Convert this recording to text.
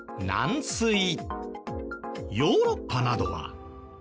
ヨーロッパなどは。